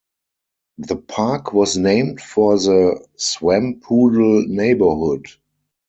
The park was named for the Swampoodle neighborhood.